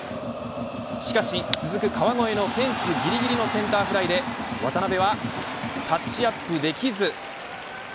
しかし続く川越のフェンスぎりぎりのセンターフライで渡部はタッチアップできず。